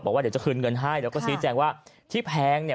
บอกว่าเดี๋ยวจะคืนเงินให้แล้วก็ชี้แจงว่าที่แพงเนี่ย